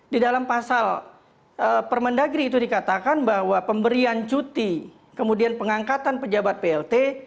di dalam pasal permendagri itu dikatakan bahwa pemberian cuti kemudian pengangkatan pejabat plt